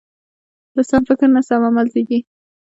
له سم فکر نه سم عمل زېږي.